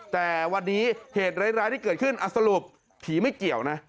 แต่วันนี้เหตุร้ายที่เกิดขึ้นสรุปผีไม่เกี่ยวนะ